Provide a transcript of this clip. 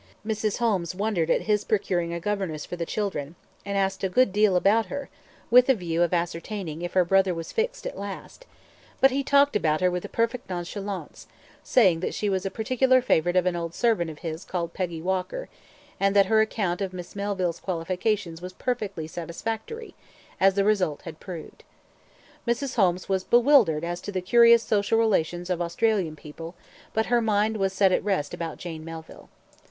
Mrs. Holmes wondered at his procuring a governess for the children, and asked a good deal about her, with the view of ascertaining if her brother was fixed at last; but he talked about her with perfect NONCHALANCE, saying that she was a particular favourite of an old servant of his called Peggy Walker, and that her account of Miss Melville's qualifications was perfectly satisfactory, as the result had proved. Mrs. Holmes was bewildered as to the curious social relations of Australian people, but her mind was set at rest about Jane Melville.